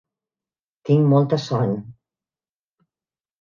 Tinc molta son.